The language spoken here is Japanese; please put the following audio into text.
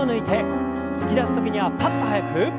突き出す時にはパッと早く。